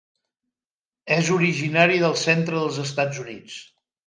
És originari del centre dels Estats Units.